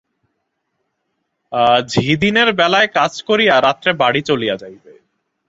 ঝি দিনের বেলায় কাজ করিয়া রাত্রে বাড়ি চলিয়া যাইবে।